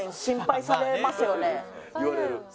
言われる。